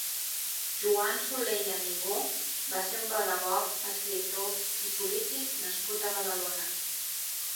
Joan Soler i Amigó va ser un pedagog, escriptor i polític nascut a Badalona.